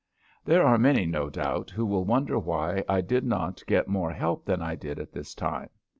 There are many, no doubt, who will wonder why I did not get more help than I did at this time.